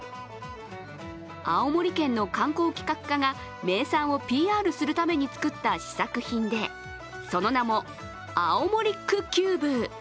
青森県の観光企画課が名産をＰＲするために作った試作品でその名も、アオモリックキューブ。